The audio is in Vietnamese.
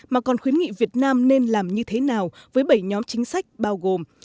mà còn khuyến nghị việt nam nên làm như thế nào với bảy nhóm chính sách bao gồm